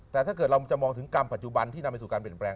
แต่ถ้าเกิดเราจะมองถึงกรรมปัจจุบันที่นำไปสู่การเปลี่ยนแปลง